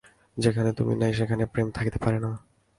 যেখানে তিনি নাই, সেখানে প্রেম থাকিতে পারে না।